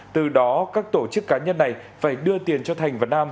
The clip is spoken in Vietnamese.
từ đó các tổ chức cá nhân này phải đưa tiền cho thành và nam